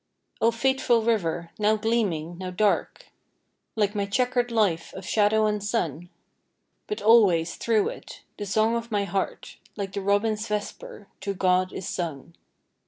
O fateful river, now gleaming, now dark, Like my checkered life of shadow and sun, But always through it the song of my heart Like the robin's vesper, to God is sung.